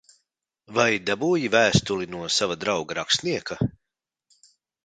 Vai dabūji vēstuli no sava drauga rakstnieka?